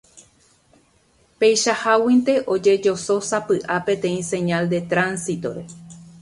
Peichaháguinte ojejosósapy'a peteĩ señal de tránsito-re.